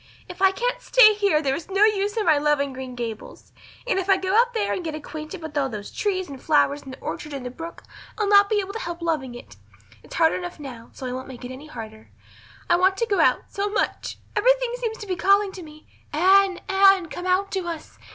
"If I can't stay here there is no use in my loving Green Gables. And if I go out there and get acquainted with all those trees and flowers and the orchard and the brook I'll not be able to help loving it. It's hard enough now, so I won't make it any harder. I want to go out so much everything seems to be calling to me, 'Anne, Anne, come out to us.